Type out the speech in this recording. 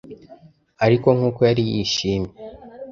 ariko nkuko yari yishimye